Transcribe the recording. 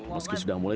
meski sudah mulai